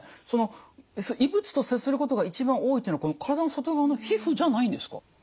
その異物と接することが一番多いというのは体の外側の皮膚じゃないんですか？